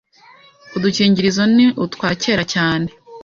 Udukingirizo ni utwa kera cyane